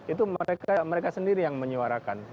itu mereka sendiri yang menyuarakan